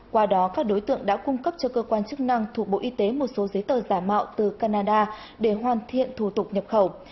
qua đó các đối tượng đã cung cấp cho cơ quan chức năng thuộc bộ y tế một số giấy tờ giả mạo từ canada để hoàn thiện thủ tục nhập khẩu